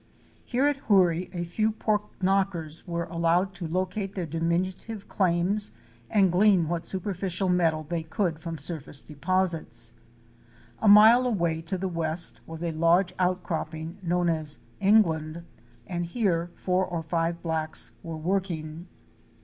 Here as at Hoorie a few pork knockers were allowed to locate their diminutive claims and glean what superficial metal they could from surface deposits. A mile away to the west was a large outcropping known as '' England" and here four or five blacks were working.